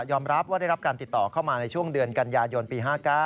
รับว่าได้รับการติดต่อเข้ามาในช่วงเดือนกันยายนปี๕๙